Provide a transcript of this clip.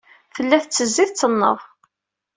Tella tettezzi, tettenneḍ.